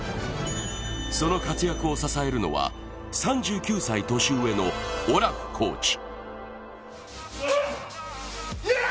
その活躍を支えるのは３９歳年上のオラフコーチ。